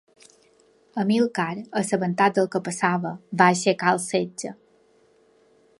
Amílcar, assabentat del que passava, va aixecar el setge.